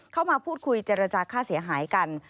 เข้ามาพูดคุยเจรจาค่าเสียหายกัน